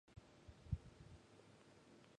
花を植えました。